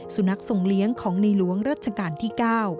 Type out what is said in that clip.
สุนัขทรงเลี้ยงของในหลวงรัชกาลที่๙